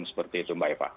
seperti itu mbak eva